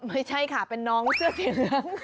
ไม่ใช่ค่ะเป็นน้องเสื้อสีเหลือง